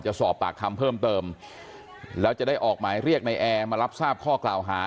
จะสอบปากคำเพิ่มเติมแล้วจะได้ออกหมายเรียกในแอร์มารับทราบข้อกล่าวหา